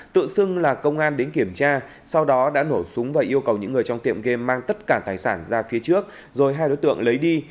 tự xưng là công an đến kiểm tra sau đó đã nổ súng và yêu cầu những người trong tiệm game mang tất cả tài sản ra phía trước rồi hai đối tượng lấy đi